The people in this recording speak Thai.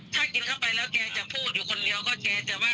ถ้ากินเข้าไปแล้วแกจะพูดอยู่คนเดียวก็แกจะว่า